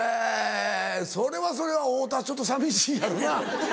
それはそれは太田はちょっと寂しいやろうな。